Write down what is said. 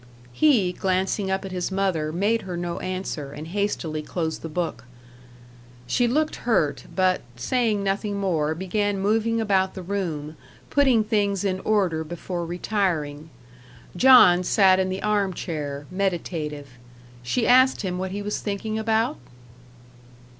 He, glancing up at his mother, made her no answer, and hastily closed the book. She looked hurt; but, saying nothing more, began moving about the room, putting things in order before retiring. John sat in the arm chair meditative. She asked him what he was thinking about?